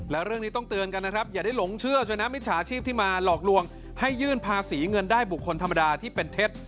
แล้วเรื่องนี้ต้องเตือนกันนะครับอย่าได้หลงเชื่อชนะมิจฉาชีพที่มาหลอกลวงให้ยื่นภาษีเงินได้บุคคลธรรมดาที่เป็นเท็จ